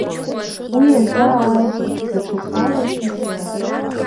Уи иазаауазеи, даҽа зҵааракгьы сымоуп.